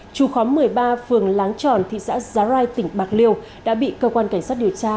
trù khóm một mươi ba phường láng tròn thị xã giá rai tỉnh bạc liêu đã bị cơ quan cảnh sát điều tra